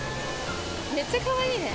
めっちゃかわいいね。